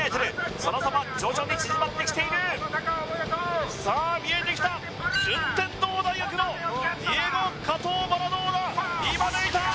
その差も徐々に縮まってきているさあ見えてきた順天堂大学のディエゴ・加藤・マラドーナ今抜いた！